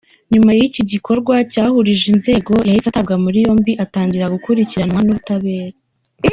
Nyuma y’iki gikorwa cyahuruje inzego, yahise atabwa muri yombi, atangira gukurikiranwa n’ubutabera.